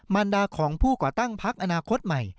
มันดาของผู้ก่อตั้งพักอนาคตใหม่